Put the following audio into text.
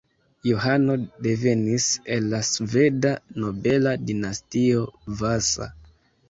Johano devenis el la sveda nobela dinastio Vasa.